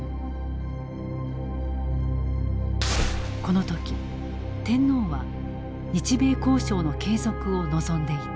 この時天皇は日米交渉の継続を望んでいた。